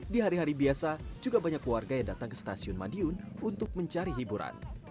di hari hari biasa juga banyak warga yang datang ke stasiun madiun untuk mencari hiburan